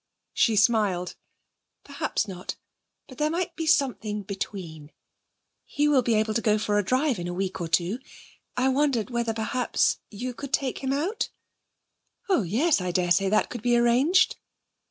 She smiled. 'Perhaps not. But there might be something between. He will be able to go for a drive in a week or two. I wondered whether, perhaps, you could take him out?' 'Oh yes; I dare say that could be arranged.'